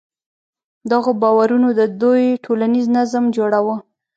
دغو باورونو د دوی ټولنیز نظم جوړاوه.